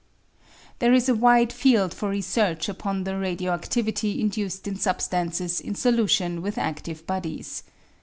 There is a wide field for research upon the radio adivity induced in substances in solution with adive bodies.